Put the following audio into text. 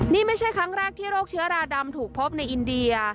นี่ไม่ใช่ครั้งแรกที่โรคเชื้อราดำถูกพบในอินเดีย